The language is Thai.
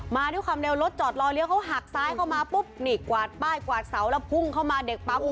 มาด้วยความเร็วรถจอดรอเลี้ยเขาหักซ้ายเข้ามาปุ๊บนี่กวาดป้ายกวาดเสาแล้วพุ่งเข้ามาเด็กปั๊ม